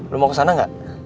lo mau kesana gak